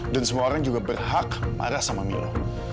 dan semua orang juga berhak marah sama milo